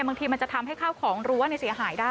บางทีมันจะทำให้ข้าวของรั้วเสียหายได้